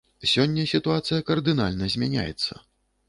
Сёння сітуацыя кардынальна змяняецца.